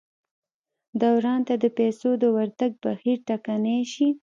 دوران ته د پیسو د ورتګ بهیر ټکنی شي.